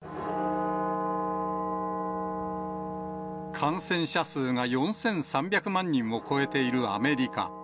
感染者数が４３００万人を超えているアメリカ。